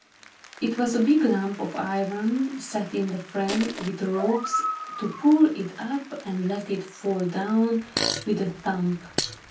It was a big lump of iron, set in a frame, with ropes to pull it up and let it fall down with a thump.